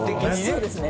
そうですね。